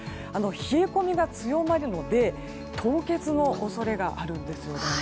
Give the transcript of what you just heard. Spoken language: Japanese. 冷え込みが強まるので凍結の恐れがあるんですよね。